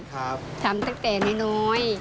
ทำตั้งแต่น้อย